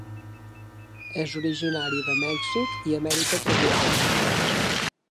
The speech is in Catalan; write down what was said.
És originari de Mèxic i Amèrica tropical.